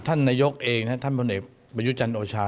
ท่านนายกเองท่านผลเอกบริยุจันทร์โอชา